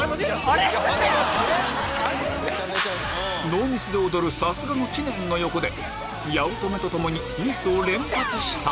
ノーミスで踊るさすがの知念の横で八乙女と共にミスを連発した